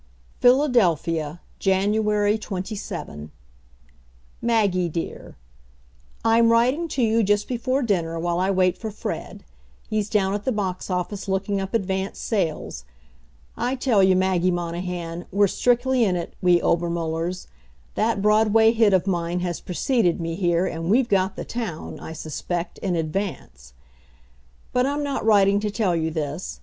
PHILADELPHIA, January 27. Maggie, dear: I'm writing to you just before dinner while I wait for Fred. He's down at the box office looking up advance sales. I tell you, Maggie Monahan, we're strictly in it we Obermullers. That Broadway hit of mine has preceded me here, and we've got the town, I suspect, in advance. But I'm not writing to tell you this.